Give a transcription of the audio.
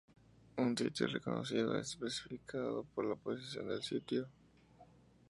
Un sitio de reconocimiento es especificado por la posición del sitio.